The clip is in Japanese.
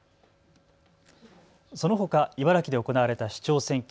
そのほか、茨城で行われた市長選挙。